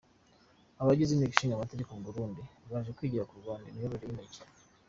Abagize Inteko Ishingamategeko mu Burundi baje kwigira ku Rawanda imiyoborere y’Umujyi